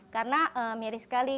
karena mirip sekali